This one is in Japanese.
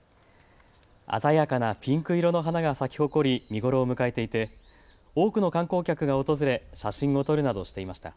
鮮やかなピンク色の花が咲きほこり、見頃を迎えていて多くの観光客が訪れ写真を撮るなどしていました。